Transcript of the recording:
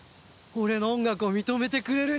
俺の音楽を認めてくれる人間に！